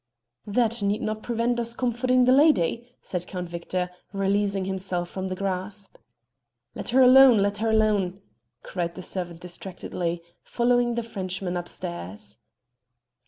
"That need not prevent us comforting the lady," said Count Victor, releasing himself from the grasp. "Let her alane, let her alane!" cried the servant distractedly, following the Frenchman upstairs.